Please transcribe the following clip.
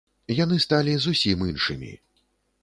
Яны сталі зусім іншымі.